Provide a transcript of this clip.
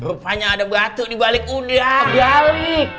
rupanya ada batuk dibalik udang